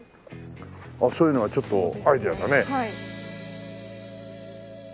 ああそういうのはちょっとアイデアだね。